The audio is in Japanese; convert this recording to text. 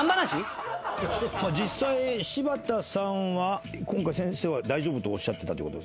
⁉実際柴田さんは今回先生は大丈夫とおっしゃってたと。